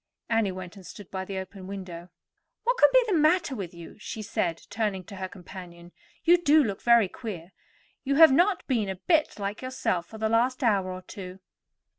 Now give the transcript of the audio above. Annie went and stood by the open window. "What can be the matter with you?" she said, turning to her companion. "You do look very queer. You have not been a bit like yourself for the last hour or two."